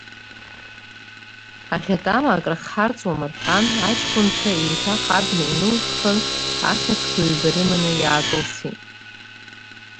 Аӷьатама акрахҳарҵуама рҳәан, аҷкәынцәа еиҭах абна инылаххын, ахьатәқәа ҩба рыманы иаакылсит.